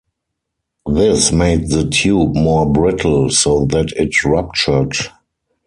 This made the tube more brittle so that it ruptured.